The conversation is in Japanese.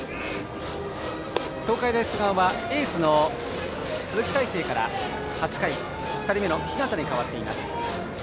東海大菅生はエースの鈴木泰成から８回、２人目の日當に代わっています。